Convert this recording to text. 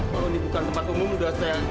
kalau ini bukan tempat umum sudah saya